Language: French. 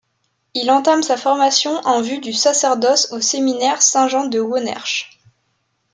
Il entame sa formation en vue du sacerdoce au séminaire Saint-Jean de Wonersh.